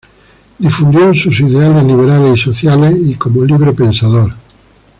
Difundió sus ideales liberales y sociales y como libre pensador.